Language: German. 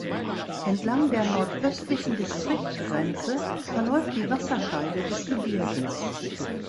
Entlang der nordöstlichen Distriktgrenze verläuft die Wasserscheide des Gebirges.